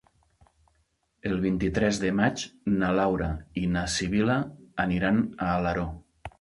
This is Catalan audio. El vint-i-tres de maig na Laura i na Sibil·la aniran a Alaró.